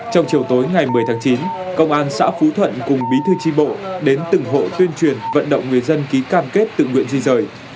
trong chiều tối ngày một mươi tháng chín công an xã phú thuận cùng bí thư tri bộ đến từng hộ tuyên truyền vận động người dân ký cam kết tự nguyện di rời